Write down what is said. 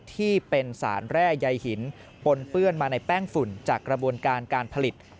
ที่เป็นสารแร่ใยหินปนเปื้อนมาในแป้งฝุ่นจากกระบวนการการผลิต